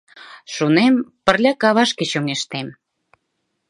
Шонем: пырля кавашке чоҥештем.